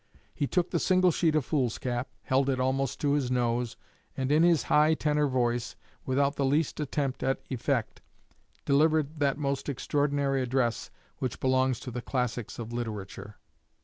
He took the single sheet of foolscap, held it almost to his nose, and in his high tenor voice, without the least attempt at effect, delivered that most extraordinary address which belongs to the classics of literature.